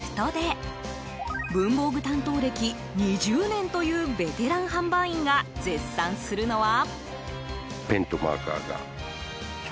生活雑貨を扱うロフトで文房具担当歴２０年というベテラン販売員が絶賛するのは。